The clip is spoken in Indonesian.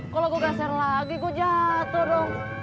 kalau gue geser lagi gue jatuh dong